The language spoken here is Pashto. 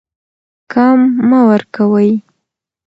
کم مه ورکوئ.